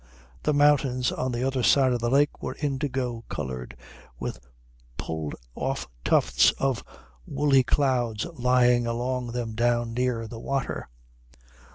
The mountains on the other side of the lake were indigo coloured, with pulled off tufts of woolly clouds lying along them down near the water.